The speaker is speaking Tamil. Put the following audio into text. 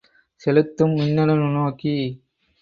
செலுத்தும் மின்னணு நுண்ணோக்கி.